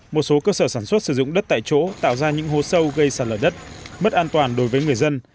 một số cơ sở sản xuất sử dụng đất tại chỗ tạo ra những hố sâu gây sạt lở đất mất an toàn đối với người dân